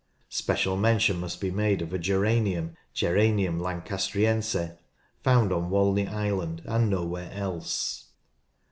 Special mention must be made of a geranium (Geranium lancastriense\ found on Walney Island and nowhere else.